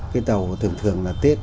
cái tàu thường thường là tết